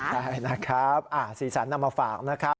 ใช่นะครับสีสันนำมาฝากนะครับ